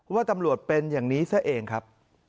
ว่าตำรวจเป็นอย่างนี้ซะเองครับ